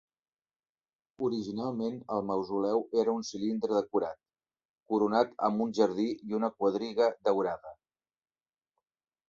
Originalment el mausoleu era un cilindre decorat, coronat amb un jardí i una quadriga daurada.